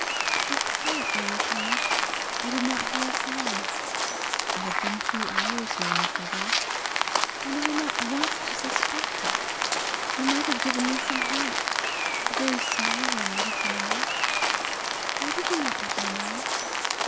"How quietly you came! I did not hear a sound!" "I have been two hours here in the shrubbery." "And I not once to suspect it! You might have given me some hint! A very small one would have been enough! Why did you not let me know?"